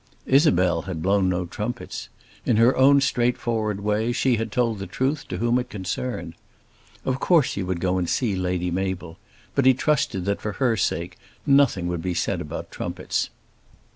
Isabel had blown no trumpets. In her own straightforward way she had told the truth to whom it concerned. Of course he would go and see Lady Mabel, but he trusted that for her own sake nothing would be said about trumpets.